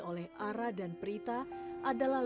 oleh ara dan prita adalah